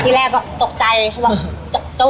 ที่แรกตกใจจะไหวหรอ